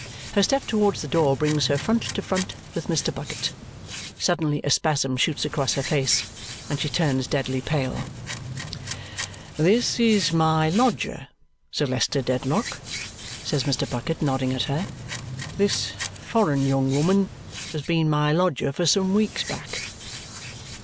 Her step towards the door brings her front to front with Mr. Bucket. Suddenly a spasm shoots across her face and she turns deadly pale. "This is my lodger, Sir Leicester Dedlock," says Mr. Bucket, nodding at her. "This foreign young woman has been my lodger for some weeks back."